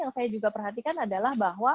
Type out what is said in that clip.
yang saya juga perhatikan adalah bahwa